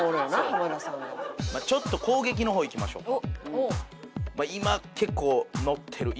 まあちょっと攻撃の方いきましょうか。